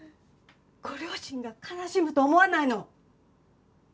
ご両親が悲しむと思わないの？